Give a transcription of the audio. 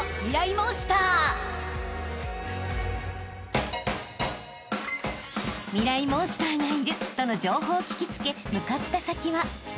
モンスターがいるとの情報を聞き付け向かった先は］